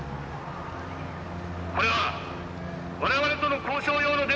これは我々との交渉用の電話だ！